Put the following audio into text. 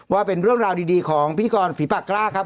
ว่าเป็นเรื่องราวดีของพิธีกรฝีปากกล้าครับ